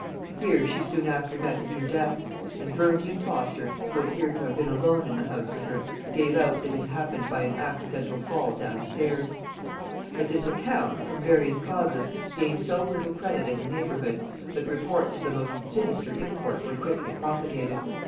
Here she soon after met with her death; and Verney and Foster, who appear to have been alone in the house with her, gave out that it happened by an accidental fall down stairs. But this account, from various causes, gained so little credit in the neighbourhood, that reports of the most sinister import were quickly propagated.